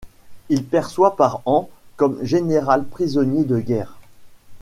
Il perçoit par an comme général prisonnier de guerre.